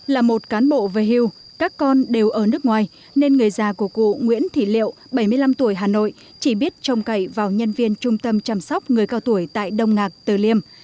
là một cán bộ về hưu các con đều ở nước ngoài nên người già của cụ nguyễn thị liệu bảy mươi năm tuổi hà nội chỉ biết trông cậy vào nhân viên trung tâm chăm sóc người cao tuổi tại đông ngạc từ liêm